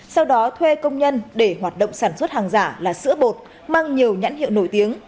sau đó thuê công nhân để hoạt động sản xuất hàng giả là sữa bột mang nhiều nhãn hiệu nổi tiếng